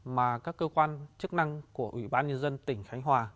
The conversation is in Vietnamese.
mà các cơ quan chức năng của ủy ban nhân dân tỉnh khánh hòa